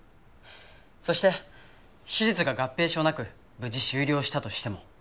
そして手術が合併症なく無事終了したとしても急変リスクもあります。